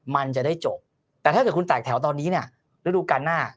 มันจะได้จบแต่ถ้าเกิดคุณแตกแถวตอนนี้เนี่ยฤดูการหน้า